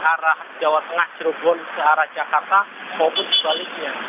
ke arah jawa tengah jerobon ke arah jakarta maupun di baliknya